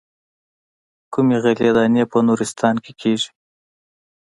کومې غلې دانې په نورستان کې کېږي.